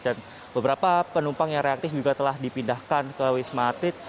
dan beberapa penumpang yang reaktif juga telah dipindahkan ke wisma atlet